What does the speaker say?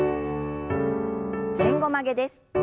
前後曲げです。